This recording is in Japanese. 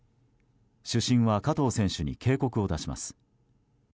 主審は加藤選手に警告を出します。